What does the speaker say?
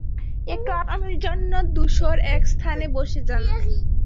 একটু আরামের জন্য ধূসর এক স্থানে বসে যান।